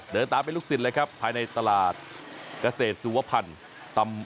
เดินตามเป็นลูกศิษย์เลยครับภายในตลาดเกษตรสุวพันธ์